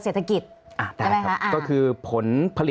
สิ่งที่ประชาชนอยากจะฟัง